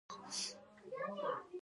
هر کسبګر به په خپلو وسایلو کار کاوه.